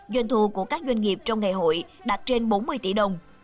doanh thu của các doanh nghiệp trong ngày hội đạt trên bốn mươi tỷ đồng